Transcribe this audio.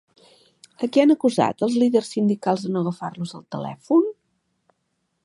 A qui han acusat els líders sindicals de no agafar-los el telèfon?